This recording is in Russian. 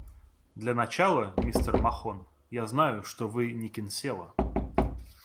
Для начала, мистер Махон, я знаю, что вы не Кинсела.